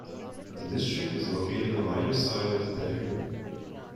The district is located on either side of the Danube.